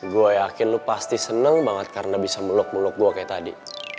gue yakin lu pasti senang banget karena bisa meluk meluk gue kayak tadi